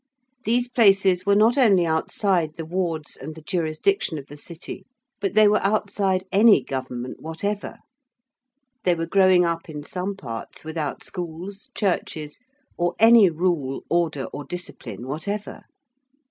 These places were not only outside the wards and the jurisdiction of the City, but they were outside any government whatever. They were growing up in some parts without schools, churches, or any rule, order, or discipline whatever.